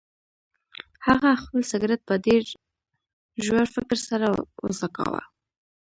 هغه خپل سګرټ په ډیر ژور فکر سره وڅکاوه.